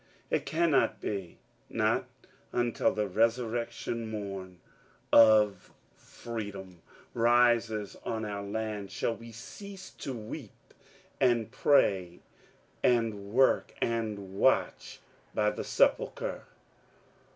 . It cannot be I Not until the resurrection mom of Free dom rises on our land shall we cease to weep and pray and work and watch by the Sepulchre.